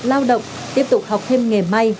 lao động tiếp tục học thêm nghề may